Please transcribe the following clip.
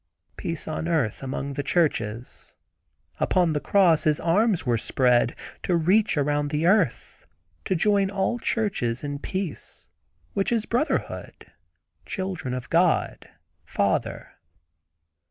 Peace on earth, among the churches. Upon the cross His arms were spread. To reach around the earth, to join all churches in peace, which is brotherhood; children of God—Father."